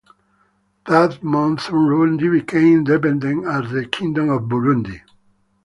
That month Urundi became independent as the Kingdom of Burundi.